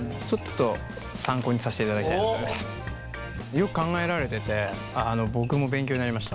よく考えられてて僕も勉強になりました。